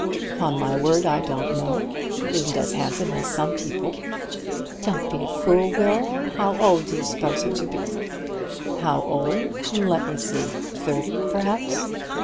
"Upon my word I don't know. She isn't as handsome as some people." "Don't be a fool, Will. How old do you suppose her to be?" "How old? Let me see. Thirty, perhaps."